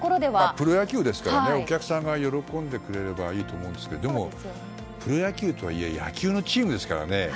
プロ野球ですからお客さんが喜んでくれればいいと思うんですがプロ野球とはいえ野球のチームですからね。